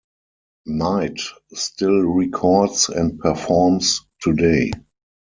Knight still records and performs today.